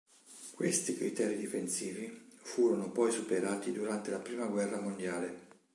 Questi criteri difensivi furono poi superati durante la Prima guerra mondiale.